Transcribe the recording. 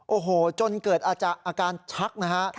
โอ้โหจนเกิดอาการชักนะฮะ